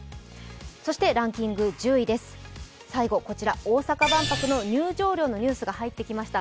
そしてランキング１０位です、こちら大阪万博の入場料のニュースが入ってきました。